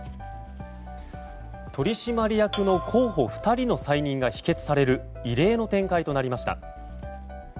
取締役の候補２人の再任が否決される異例の展開となりました。